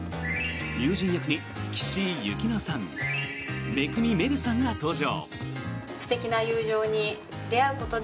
友人役に岸井ゆきのさん生見愛瑠さんが登場！